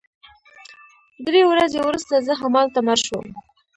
درې ورځې وروسته زه همالته مړ شوم